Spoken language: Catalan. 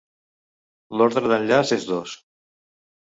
L'ordre d'enllaç és dos.